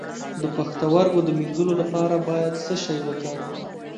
د پښتورګو د مینځلو لپاره باید څه شی وکاروم؟